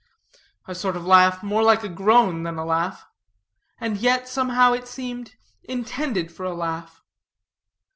A sort of laugh more like a groan than a laugh; and yet, somehow, it seemed intended for a laugh.